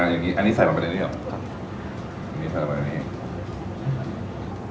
อันนี้ใส่มันอะไรอยู่